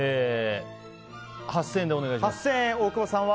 ８０００円でお願いします。